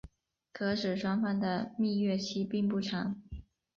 可使双方的蜜月期并不长。